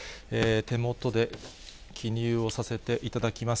手元で記入をさせていただきます。